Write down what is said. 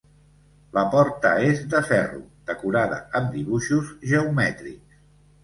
La porta és de ferro, decorada amb dibuixos geomètrics.